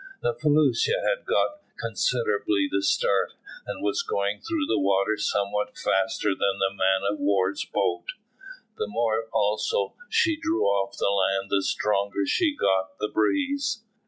The felucca had got considerably the start, and was going through the water somewhat faster than the man of war's boat; the more also she drew off the land the stronger she got the breeze.